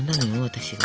私が。